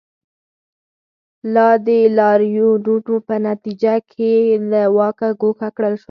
هغه د لاریونونو په نتیجه کې له واکه ګوښه کړل شو.